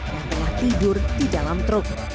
yang telah tidur di dalam truk